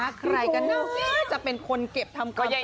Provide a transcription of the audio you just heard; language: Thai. อะไรกันจะเป็นคนเก็บทำคำสะอาด